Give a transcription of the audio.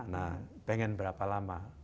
nah pengen berapa lama